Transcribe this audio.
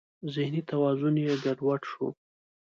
ذهني توازن یې ګډ وډ شو.